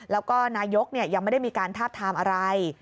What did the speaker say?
แล้วก็นายกยังไม่ได้มีการทาบทามอะไร